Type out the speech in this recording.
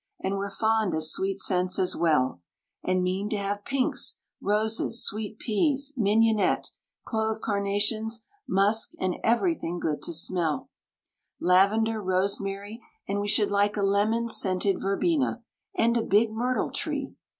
And we're fond of sweet scents as well, And mean to have pinks, roses, sweet peas, mignonette, clove carnations, musk, and everything good to smell; Lavender, rosemary, and we should like a lemon scented verbena, and a big myrtle tree!